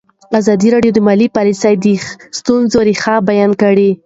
ازادي راډیو د مالي پالیسي د ستونزو رېښه بیان کړې.